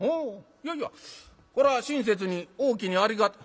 いやいやこれは親切におおきにありが。